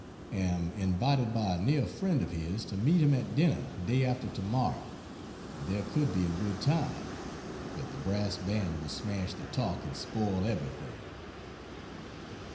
Am invited by a near friend of his to meet him at dinner day after tomorrow, and there could be a good time, but the brass band will smash the talk and spoil everything.